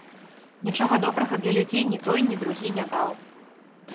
Нічога добрага для людзей ні той, ні другі не даў.